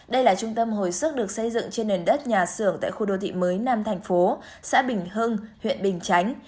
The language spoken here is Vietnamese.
đây là trung tâm hồi sức được xây dựng trên nền đất nhà xưởng tại khu đô thị mới nam thành phố xã bình hưng huyện bình chánh